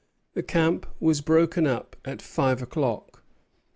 The camp was broken up at five o'clock.